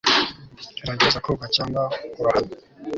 gerageza koga cyangwa urohame